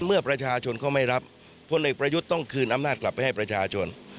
เมื่อประชาชนเขาไม่รับพลเอกประยุทธ์ต้องคืนอำนาจกลับไปให้ประชาชน